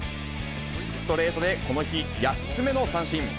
ストレートでこの日、８つ目の三振。